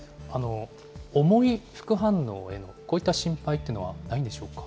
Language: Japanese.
重い副反応への、こういった心配というのはないんでしょうか。